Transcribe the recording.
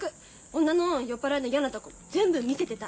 女の酔っ払いの嫌なとこ全部見せてた。